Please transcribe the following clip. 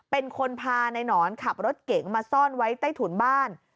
เป็นคนพาในหนอนขับรถเก๋งมาซ่อนไว้ใต้ถุนบ้าน